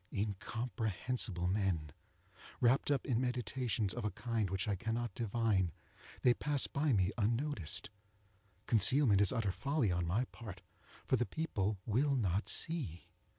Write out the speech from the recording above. Incomprehensible men! Wrapped up in meditations of a kind which I cannot divine, they pass me by unnoticed. Concealment is utter folly on my part, for the people will not see.